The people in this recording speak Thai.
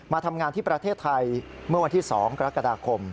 มาทำงานที่ประเทศไทยเมื่อวันที่๒กรกฎาคม